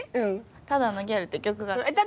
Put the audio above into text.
「ただのギャル」って曲があって。